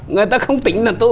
người ta không tính là